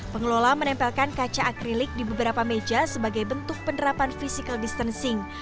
pengelola menempelkan kaca akrilik di beberapa meja sebagai bentuk penerapan physical distancing